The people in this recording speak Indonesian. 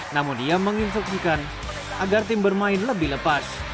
namun ia menginstruksikan agar tim bermain lebih lepas